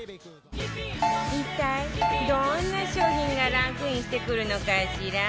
一体どんな商品がランクインしてくるのかしら？